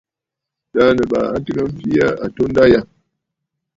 Taà Nɨ̀bàʼà a tɨgə mfee aa atunda yâ.